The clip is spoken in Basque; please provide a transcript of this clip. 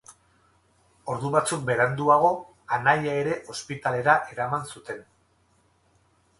Ordu batzuk beranduago anaia ere ospitalera eraman zuten.